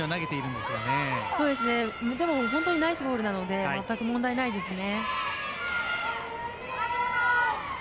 でも本当にナイスボールなので全く問題ないですね。